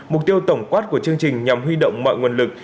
mục tiêu tổng quát của chương trình nhằm huy động mọi nguồn lực